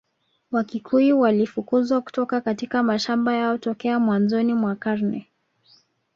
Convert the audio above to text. Wakikuyu walifukuzwa kutoka katika mashamba yao tokea mwanzoni mwa karne